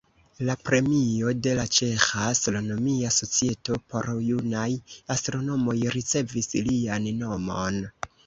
La premio de la Ĉeĥa Astronomia Societo por junaj astronomoj ricevis lian nomon.